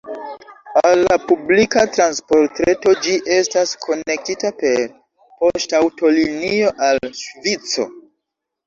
Al la publika transportreto ĝi estas konektita per poŝtaŭtolinio al Ŝvico.